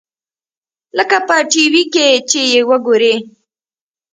لکه په ټي وي کښې چې يې وګورې.